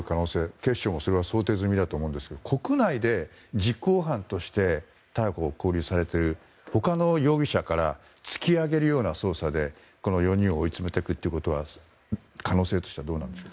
警視庁もそれは想定済みだと思いますが国内で実行犯として逮捕・勾留されている他の容疑者から突き上げるような捜査で４人を追い詰めていくということは可能性としてはどうなんでしょう。